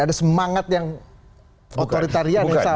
ada semangat yang otoritarian yang sama